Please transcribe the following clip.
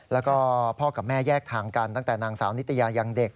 แล้วก็พ่อกับแม่แยกทางกันตั้งแต่นางสาวนิตยายังเด็ก